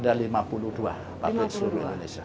ada lima puluh dua pabrik seluruh indonesia